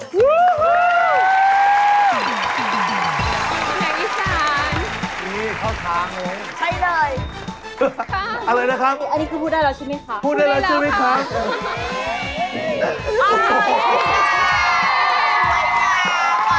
พูดได้แล้วชื่อนี้ค่ะ